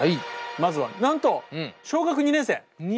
まずはなんと２年生！